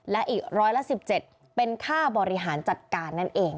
และอีกร้อยละ๑๗เป็นค่าบริหารจัดการนั่นเอง